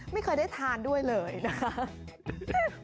ไม่เคยได้ทานด้วยเลยนะคะ